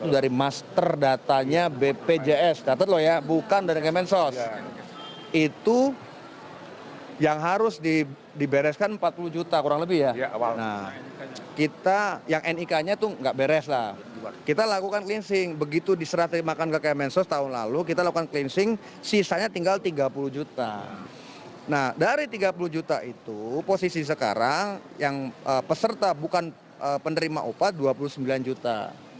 dari tiga puluh juta itu posisi sekarang yang peserta bukan penerima opat dua puluh sembilan juta